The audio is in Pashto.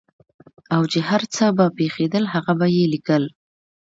او چې هر څه به پېښېدل هغه به یې لیکل.